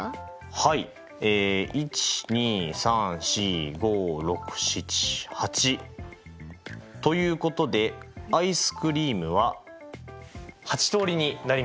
はい１２３４５６７８。ということでアイスクリームは８通りになりました。